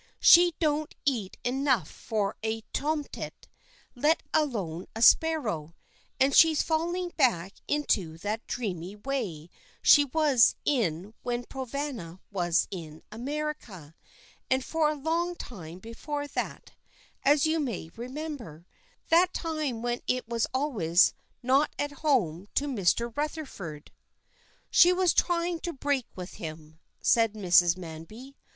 She don't eat enough for a tomtit, let alone a sparrow and she's falling back into that dreamy way she was in when Provana was in America, and for a long time before that, as you may remember; that time when it was always not at home to Mr. Rutherford." "She was trying to break with him," said Mrs. Manby.